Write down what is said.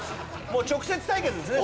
直接対決ですね